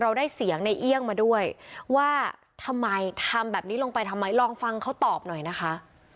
ได้เสียงในเอี่ยงมาด้วยว่าทำไมทำแบบนี้ลงไปทำไมลองฟังเขาตอบหน่อยนะคะ